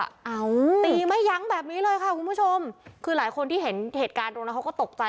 เอาตีไม่ยั้งแบบนี้เลยค่ะคุณผู้ชมคือหลายคนที่เห็นเหตุการณ์ตรงนั้นเขาก็ตกใจ